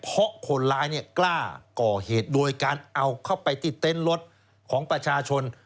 เพราะคนร้ายกล้าก่อเหตุโดยการเอาเข้าไปที่เต็นต์รถของประชาชน